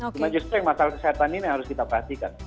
cuma justru yang masalah kesehatan ini harus kita perhatikan